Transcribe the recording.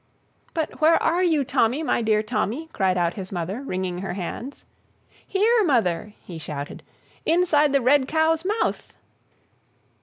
"But where are you, Tommy, my dear Tommy?" cried out his mother, wringing her hands. "Here, mother," he shouted, "inside the red cow's mouth!"